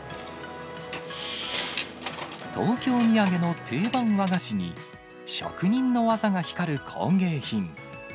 東京土産の定番和菓子に、職人の技が光る工芸品。